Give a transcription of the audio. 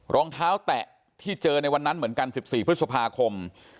รองเท้าแตะที่เจอในวันนั้นเหมือนกัน๑๔พฤษภาคม